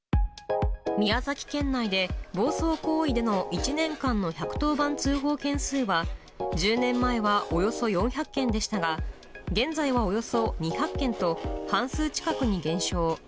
宮崎県内で、暴走行為での１年間の１１０番通報件数は、１０年前はおよそ４００件でしたが、現在はおよそ２００件と、半数近くに減少。